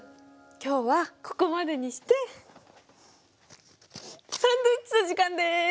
今日はここまでにしてサンドイッチの時間です！